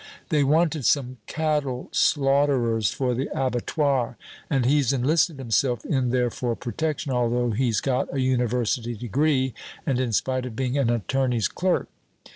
They wanted some cattle slaughterers for the abattoir, and he's enlisted himself in there for protection, although he's got a University degree and in spite of being an attorney's clerk.